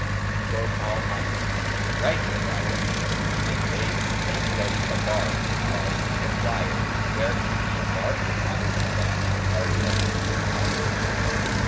Quoth al Maamun, 'Right is thy recking,' and bade make ready a barge, called 'the Flyer,' wherein he embarked with Abu Isa and a party of his chief officers.